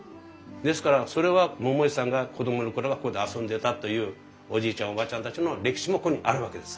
ですからそれは桃井さんが子供の頃はここで遊んでたというおじいちゃんおばあちゃんたちの歴史もここにあるわけです。